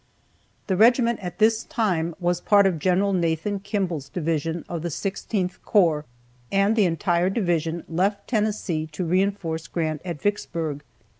The regiment at this time was part of Gen. Nathan Kimball's division of the 16th Corps, and the entire division left Tennessee to reinforce Grant at Vicksburg.